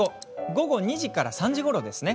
午後２時から３時ごろですね。